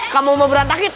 kamu mau berantakin